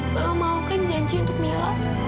mama mau kan janji untuk mila